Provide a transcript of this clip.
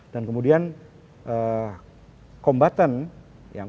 dan kemudian kombatan